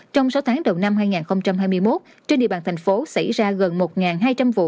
trong sáu tháng đầu năm hai nghìn hai mươi một trên địa bàn thành phố xảy ra gần một hai trăm linh vụ